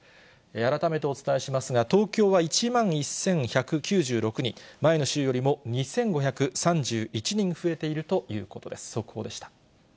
改めてお伝えしますが、東京は１万１１９６人、前の週よりも２５３１人増えているということです。